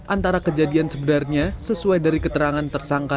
antara kejadian sebenarnya sesuai dari keterangan tersangka